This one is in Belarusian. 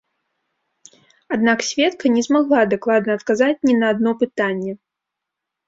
Аднак сведка не змагла дакладна адказаць ні на адно пытанне.